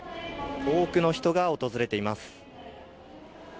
多くの人が訪れています。